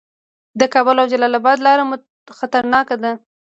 د کابل او جلال اباد لاره خطرناکه ده